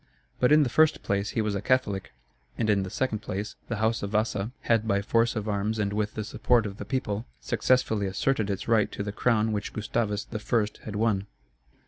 But in the first place he was a Catholic; and in the second place, the house of Vasa, had by force of arms and with the support of the people, successfully asserted its right to the crown which Gustavus I. had won.